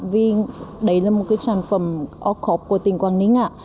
vì đấy là một cái sản phẩm ốc hộp của tỉnh quảng ninh